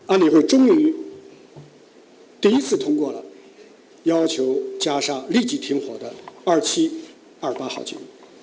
anihoh akhirnya melakukan penyelamatannya pertama kali